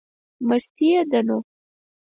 مستي یې ده نو.